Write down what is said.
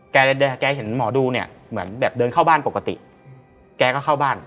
แกเห็นหมอดูเนี่ยเหมือนแบบเดินเข้าบ้านปกติแกก็เข้าบ้าน